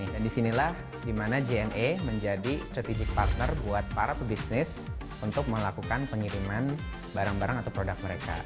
dan disinilah dimana jne menjadi strategic partner buat para pebisnis untuk melakukan pengiriman barang barang atau produk mereka